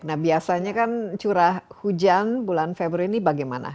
nah biasanya kan curah hujan bulan februari ini bagaimana